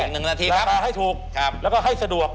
ราคาให้ถูกแล้วก็ให้สะดวก